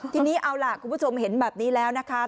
ทีนี้เอาล่ะคุณผู้ชมเห็นแบบนี้แล้วนะคะ